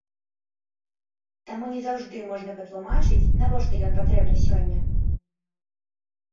Таму не заўжды можна патлумачыць, навошта ён патрэбны сёння.